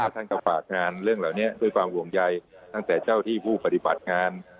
ท่านก็ฝากงานเรื่องเหล่านี้ด้วยความห่วงใยตั้งแต่เจ้าที่ผู้ปฏิบัติงาน